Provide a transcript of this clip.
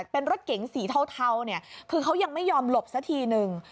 เป็นรถเก๋งสีเทาเนี่ยคือเขายังไม่ยอมหลบซะทีหนึ่ง